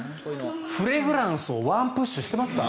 フレグランスをワンプッシュしてますか？